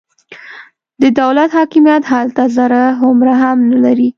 د دولت حاکمیت هلته ذره هومره هم نه لري.